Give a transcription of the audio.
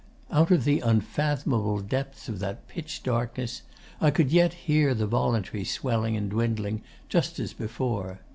'Out of the unfathomable depths of that pitch darkness, I could yet hear the "voluntary" swelling and dwindling, just as before.